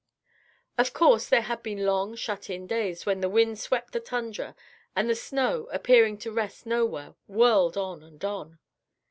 Of course there had been long, shut in days, when the wind swept the tundra, and the snow, appearing to rest nowhere, whirled on and on.